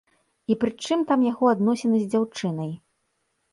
І прычым там яго адносіны з дзяўчынай?